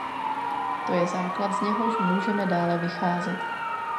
To je základ, z něhož můžeme dále vycházet.